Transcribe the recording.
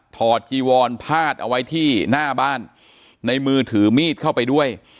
จีวอนพาดเอาไว้ที่หน้าบ้านในมือถือมีดเข้าไปด้วย